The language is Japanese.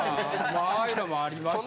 ああいうのもありました。